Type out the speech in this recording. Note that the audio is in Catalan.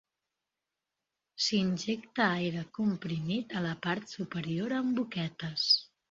S'injecta aire comprimit a la part superior amb boquetes.